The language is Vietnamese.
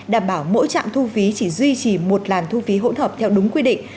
đảm bảo mỗi trạm thu phí chỉ duy trì một làn thu phí hỗn hợp theo đúng quy định